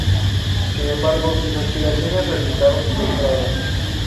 Sin embargo, sus aspiraciones resultaron frustradas.